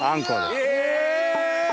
え！